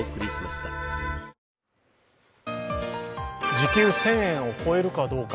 時給１０００円を超えるかどうか。